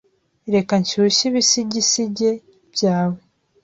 Reka nshyushye ibisigisigi byawe.